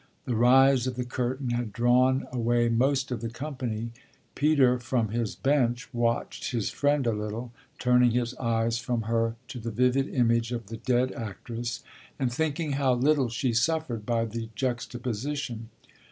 The rise of the curtain had drawn away most of the company. Peter, from his bench, watched his friend a little, turning his eyes from her to the vivid image of the dead actress and thinking how little she suffered by the juxtaposition.